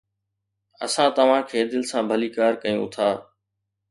اسان توهان کي دل سان ڀليڪار ڪيون ٿا